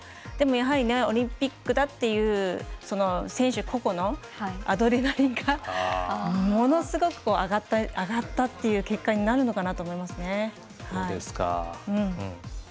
でもオリンピックだっていう選手個々のアドレナリンがものすごく上がったという結果になるのかなと思いますね。